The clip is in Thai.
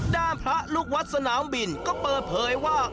ด้านพระลูกวัดสนามบินก็เปิดเผยว่า